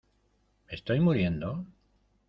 ¿ me estoy muriendo?